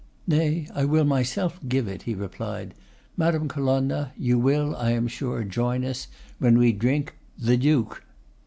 'Nay, I will myself give it,' he replied. 'Madame Colonna, you will, I am sure, join us when we drink, THE DUKE!